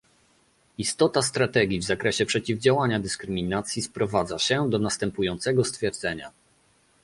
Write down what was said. Istota strategii w zakresie przeciwdziałania dyskryminacji sprowadza się do następującego stwierdzenia